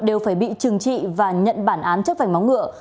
đều phải bị trừng trị và nhận bản án chất phảnh máu ngựa